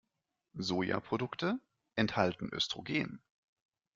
Sojaprodukte enthalten Östrogen.